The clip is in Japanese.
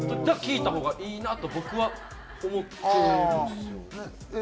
だから聞いた方がいいなと僕は思ってますよ。